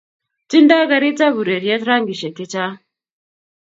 ting'doi karitab ureriet rangisiek che chang'